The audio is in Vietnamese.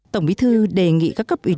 tổng bí thư đề nghị các cấp ủy đảng